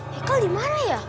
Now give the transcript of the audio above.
heikal dimana ya